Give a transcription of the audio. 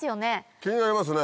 気になりますね。